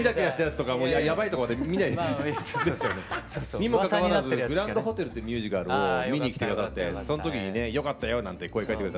にもかかわらず「グランドホテル」っていうミュージカルを見に来て下さってその時にね「よかったよ」なんて声かけてくれて。